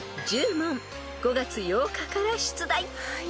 ［５月８日から出題］